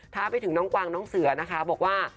ไปถึงน้องกวางน้องเสือนะคะบอกว่า